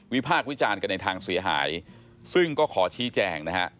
พากษ์วิจารณ์กันในทางเสียหายซึ่งก็ขอชี้แจงนะฮะ